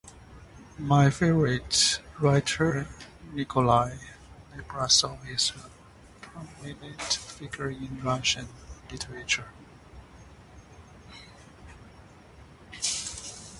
My favorite writer Nikolai Nekrasov is a prominent figure in Russian literature.